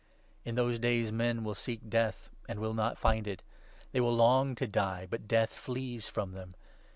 In those days men ' will seek Death and 6 will not find it '; they will long to die, but Death flees from them.